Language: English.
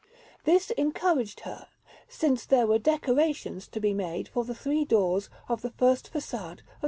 This encouraged her, since there were decorations to be made for the three doors of the first façade of S.